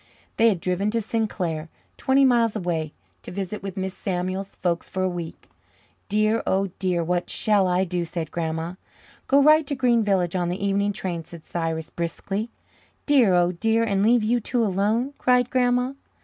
They had driven to Sinclair, twenty miles away, to visit with Mrs. Samuel's folks for a week. "Dear, oh dear, what shall I do?" said Grandma. "Go right to Green Village on the evening train," said Cyrus briskly. "Dear, oh dear, and leave you two alone!" cried Grandma.